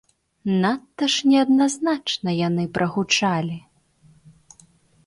Надта ж неадназначна яны прагучалі.